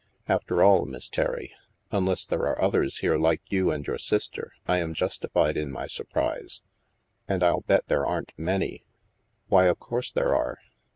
After all, Miss Terry, unless there are others here like you and your sister, I am justified in my surprise. And I'll bet there aren't many." " Why, of course there are."